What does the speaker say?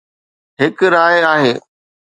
هڪ راء آهي